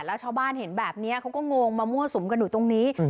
แล้วชาวบ้านเห็นแบบนี้เขาก็งงมามั่วสุมกันอยู่ตรงนี้